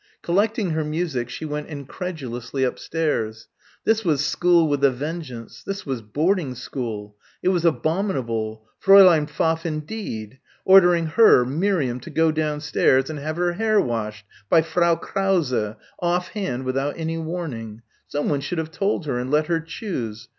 Collecting her music she went incredulously upstairs. This was school with a vengeance. This was boarding school. It was abominable. Fräulein Pfaff indeed! Ordering her, Miriam, to go downstairs and have her hair washed ... by Frau Krause ... off hand, without any warning ... someone should have told her and let her choose.